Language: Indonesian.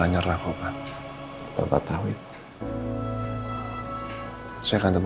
ini bukan beberapa hal